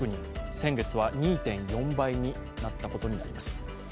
先月は２．４倍になったことになります。